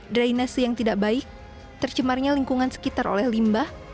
drainase yang tidak baik tercemarnya lingkungan sekitar oleh limbah